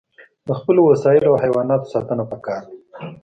د خپلو وسایلو او حیواناتو ساتنه پکار ده.